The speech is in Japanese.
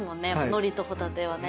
海苔とホタテはね。